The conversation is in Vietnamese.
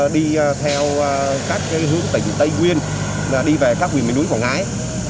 đi theo các hướng tỉnh tây nguyên và đi về các nguyên nguyên núi quảng ngãi